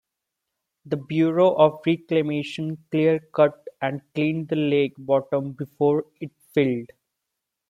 The Bureau of Reclamation clear cut and cleaned the lake bottom before it filled.